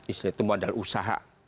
istri tumbuhan dan usaha